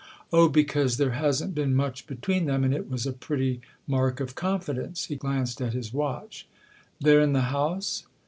" Oh, because there hasn't been much between them, and it was a pretty mark of confidence." He glanced at his watch. " They're in the house